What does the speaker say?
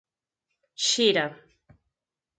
Xira